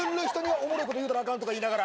おもろいこと言うたらあかんとか言いながら。